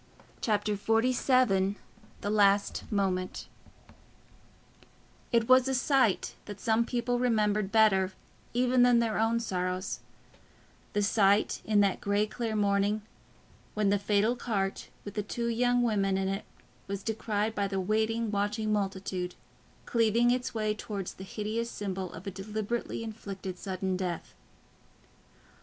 Chapter XLVII The Last Moment It was a sight that some people remembered better even than their own sorrows—the sight in that grey clear morning, when the fatal cart with the two young women in it was descried by the waiting watching multitude, cleaving its way towards the hideous symbol of a deliberately inflicted sudden death.